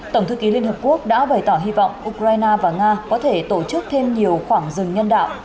tổng thư ký liên hợp quốc đã bày tỏ hy vọng ukraine và nga có thể tổ chức thêm nhiều khoảng rừng nhân đạo